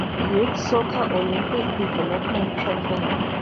Youth Soccer Olympic Development Program.